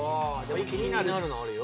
気になるのあるよ